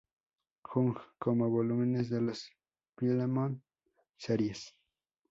Jung como volúmenes de las Philemon Series.